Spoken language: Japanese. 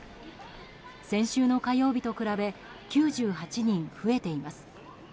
先週の火曜日と比べ９８人増えています。